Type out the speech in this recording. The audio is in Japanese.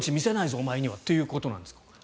お前にはということなんですか？